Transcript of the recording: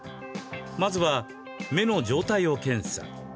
まずは、目の状態を検査。